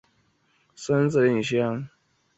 朱德故居位于马鞍镇。